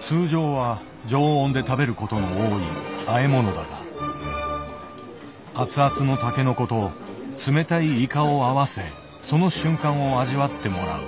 通常は常温で食べることの多いあえ物だが熱々のタケノコと冷たいイカを合わせその瞬間を味わってもらう。